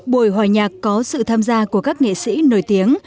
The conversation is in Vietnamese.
buổi hòa nhạc có sự tham gia của các nghệ sĩ nổi tiếng